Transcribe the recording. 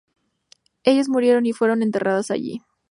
Ellas murieron y fueron enterradas allí.